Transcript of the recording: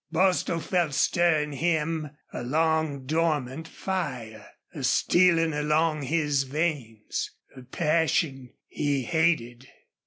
Bostil felt stir in him a long dormant fire a stealing along his veins, a passion he hated.